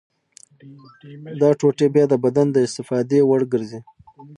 دا ټوټې بیا د بدن د استفادې وړ ګرځي.